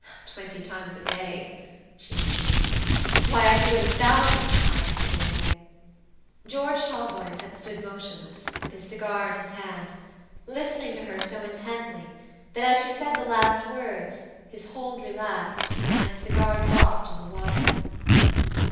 Twenty times a day," she repeated; "why I do it a thousand times a day." George Talboys had stood motionless, with his cigar in his hand, listening to her so intently that, as she said the last words, his hold relaxed, and the cigar dropped in the water.